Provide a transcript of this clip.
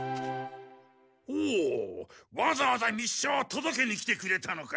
おおわざわざ密書をとどけに来てくれたのか。